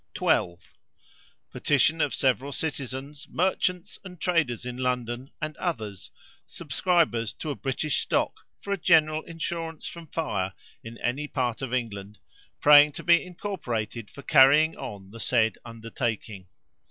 "12. Petition of several citizens, merchants, and traders in London, and others, subscribers to a British stock for a general insurance from fire in any part of England, praying to be incorporated for carrying on the said undertaking.